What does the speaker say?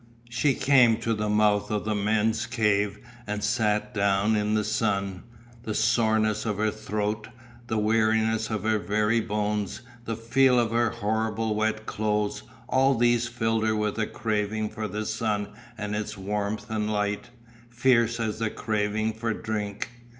She came to the mouth of the men's cave and sat down in the sun, the soreness of her throat, the weariness of her very bones, the feel of her horrible wet clothes, all these filled her with a craving for the sun and its warmth and light, fierce as the craving for drink.